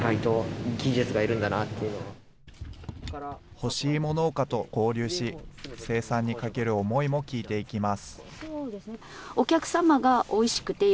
干しいも農家と交流し、生産にかける思いも聞いていきます。